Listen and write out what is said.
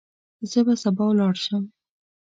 زه به سبا ولاړ شم.